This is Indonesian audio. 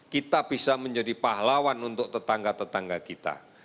kita bisa menjadi pahlawan untuk tetangga tetangga kita